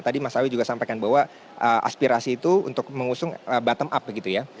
tadi mas awi juga sampaikan bahwa aspirasi itu untuk mengusung bottom up begitu ya